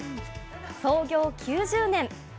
創業９０年。